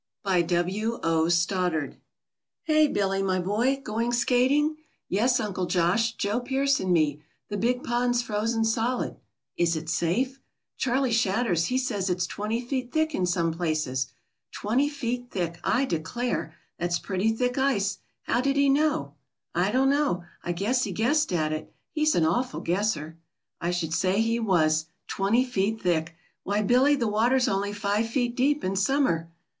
BY W. O. STODDARD. "Hey Billy, my boy! Going skating?" "Yes, Uncle Josh, Joe Pearce and me. The big pond's frozen solid." "Is it safe?" "Charley Shadders he says it's twenty feet thick in some places." "Twenty feet thick! I declare! That's pretty thick ice. How did he know?" "I don't know. I guess he guessed at it. He's an awful guesser." "I should say he was. Twenty feet thick! Why, Billy, the water's only five feet deep in summer."